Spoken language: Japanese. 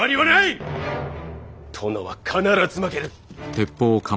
殿は必ず負ける。